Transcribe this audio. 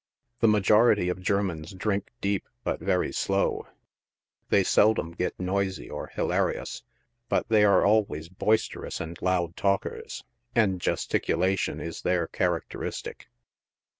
The ma jority of Germans drink deep but very slow. They seldom get noisy or hilarious, but they are always boisterous and loud talkers — and gesticulation is their characteristic.